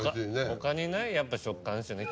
他にないやっぱ食感ですよね